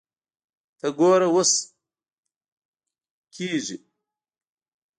ته ګوره اوس کسږي